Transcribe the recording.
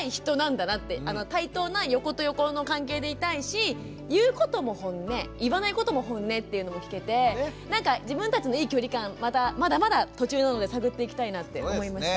対等な横と横の関係でいたいし言うこともホンネ言わないこともホンネっていうのも聞けてなんか自分たちのいい距離感まだまだ途中なので探っていきたいなって思いました。